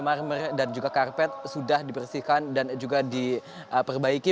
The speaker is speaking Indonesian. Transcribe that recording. marmer dan juga karpet sudah dibersihkan dan juga diperbaiki